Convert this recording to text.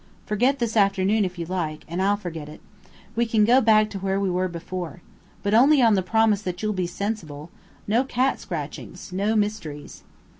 Forget this afternoon, if you like, and I'll forget it. We can go back to where we were before. But only on the promise that you'll be sensible. No cat scratchings. No mysteries."